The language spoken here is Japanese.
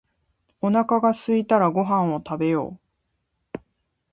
おなかがすいたらご飯を食べよう